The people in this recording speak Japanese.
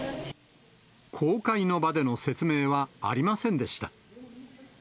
公開の場での説明はありませんでした。